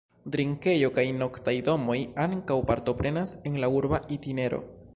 Drinkejo kaj noktaj domoj ankaŭ partoprenas en la urba itinero.